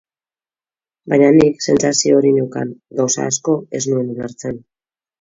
Baina nik sentsazio hori neukan, gauza asko ez nuen ulertzen.